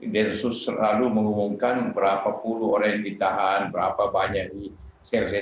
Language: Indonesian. densus selalu mengumumkan berapa puluh orang yang ditahan berapa banyak di serc